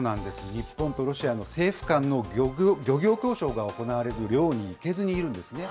日本とロシアの政府間の漁業交渉が行われず漁に行けずにいるんですね。